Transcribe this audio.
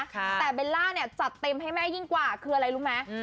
แต่เบลล่าเนี่ยจัดเต็มให้แม่ยิ่งกว่าคืออะไรรู้ไหม